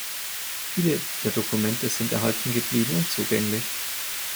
Viele der Dokumente sind erhalten geblieben und zugänglich.